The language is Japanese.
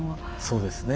そうですね。